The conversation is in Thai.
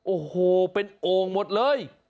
โอ้โหเป็นโอ่งหมดเลย